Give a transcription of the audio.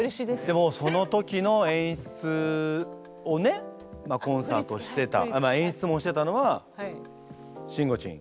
でもその時の演出をねコンサートをしてた演出もしてたのはしんごちん。